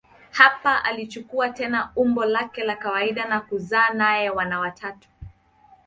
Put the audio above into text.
Hapa alichukua tena umbo lake la kawaida na kuzaa naye wana watatu.